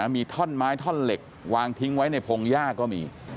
มีถอนไม้ถอนเหล็กวางทิ้งไว้ในภองยาก็มี